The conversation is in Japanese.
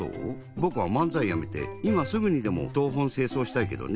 ぼくは漫才やめていますぐにでも東奔西走したいけどね。